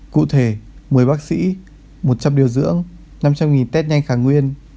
cụ thể một mươi bác sĩ một trăm linh điều dưỡng năm trăm linh test nhanh khả nguyên